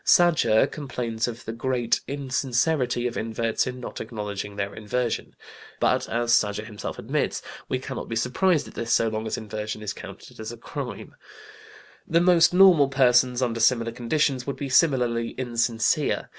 Sadger (Archiv für Kriminal Anthropologie, 1913, p. 199) complains of the "great insincerity of inverts in not acknowledging their inversion;" but, as Sadger himself admits, we cannot be surprised at this so long as inversion is counted a crime. The most normal persons, under similar conditions, would be similarly insincere.